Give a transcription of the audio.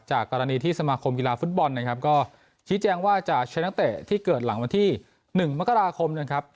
กรณีที่สมาคมกีฬาฟุตบอลนะครับก็ชี้แจงว่าจะใช้นักเตะที่เกิดหลังวันที่๑มกราคมนะครับ